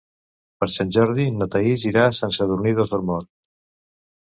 Per Sant Jordi na Thaís irà a Sant Sadurní d'Osormort.